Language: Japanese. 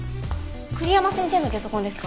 栗山先生のゲソ痕ですか？